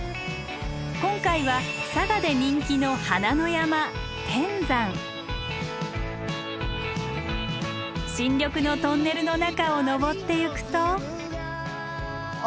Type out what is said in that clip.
今回は佐賀で人気の花の山新緑のトンネルの中を登ってゆくと。